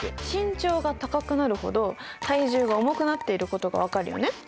身長が高くなるほど体重が重くなっていることが分かるよね。